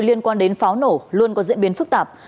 liên quan đến pháo nổ luôn có diễn biến phức tạp